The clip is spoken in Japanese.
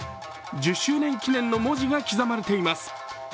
１０周年記念の文字が刻まれています